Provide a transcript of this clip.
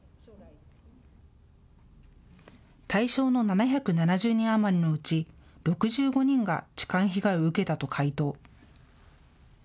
対象の７７０人余りのうち６５人が痴漢被害を受けたと回答。